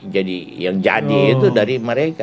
jadi yang jadi itu dari mereka